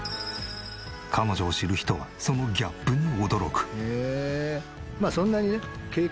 彼女を知る人はそのギャップに驚く。